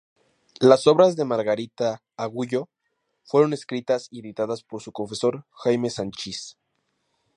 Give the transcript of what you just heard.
Las obras de Margarita Agulló fueron escritas y editadas por su confesor Jaime Sanchís.